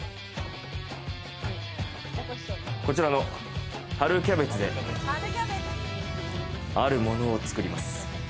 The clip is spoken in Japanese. こちらの春キャベツで、あるものを作ります。